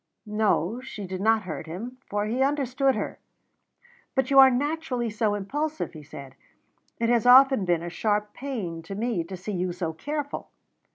No, she did not hurt him, for he understood her. "But you are naturally so impulsive," he said, "it has often been a sharp pain to me to see you so careful."